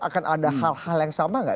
akan ada hal hal yang sama nggak